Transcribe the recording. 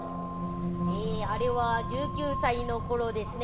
あれは１９歳のころですね。